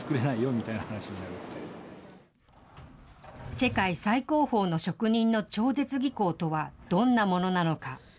世界最高峰の職人の超絶技巧とは、どんなものなのか。